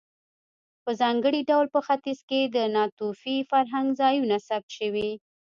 په ځانګړي ډول په ختیځ کې د ناتوفي فرهنګ ځایونه ثبت شوي.